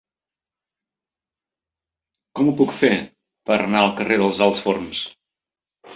Com ho puc fer per anar al carrer dels Alts Forns?